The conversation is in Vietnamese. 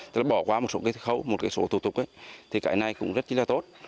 tức là bỏ qua một số khẩu một số thủ tục thì cái này cũng rất là tốt